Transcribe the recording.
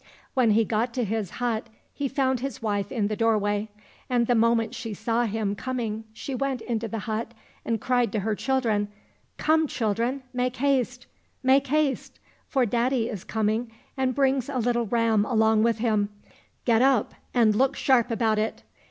When he got to his hut he found his wife in the doorway, and the moment she saw him coming, she went into the hut and cried to her children, " Come, children ! make haste, make haste ! for daddy is coming, and brings a little ram along with him ; get up, and look sharp about it